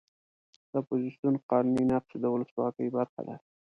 د اپوزیسیون قانوني نقش د ولسواکۍ برخه ده.